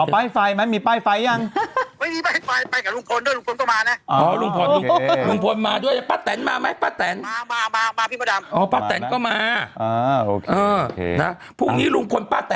อ๋อป้ายไฟมั้ยมีป้ายไฟยัง